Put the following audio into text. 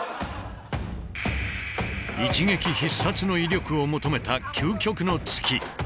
一撃必殺の威力を求めた究極の突き。